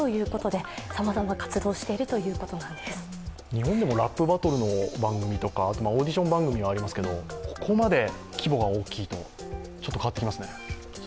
日本でもラップバトルの番組とかオーディション番組はありますけど、ここまで規模が大きいとちょっと変わってきますね。